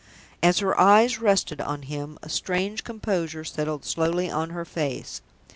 As her eyes rested on him, a strange composure settled slowly on her face.